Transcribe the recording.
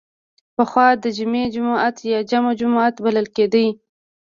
پخوا د جمعې جومات یا جمعه جومات بلل کیده.